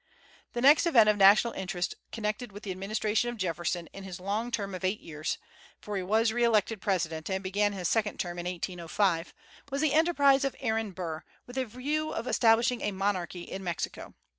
The next event of national interest connected with the administration of Jefferson in his long term of eight years (for he was re elected president, and began his second term in 1805), was the enterprise of Aaron Burr, with a view of establishing a monarchy in Mexico.